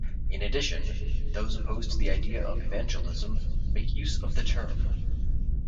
In addition, those opposed to the idea of evangelism make use of the term.